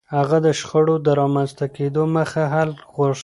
هغه د شخړو د رامنځته کېدو مخکې حل غوښت.